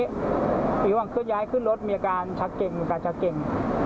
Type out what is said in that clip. ระหว่างเคลื่อย้ายขึ้นรถมีอาการชักเก่งมีการชักเก่ง